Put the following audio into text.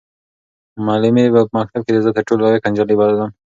معلمې به په مکتب کې زه تر ټولو لایقه نجلۍ بللم.